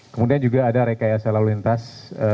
kemudian juga ada rekayasa lalu lintas